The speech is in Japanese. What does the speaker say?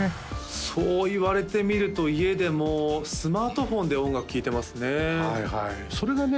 そう言われてみると家でもスマートフォンで音楽聴いてますねはいはいそれがね